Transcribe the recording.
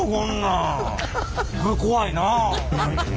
怖いなあ。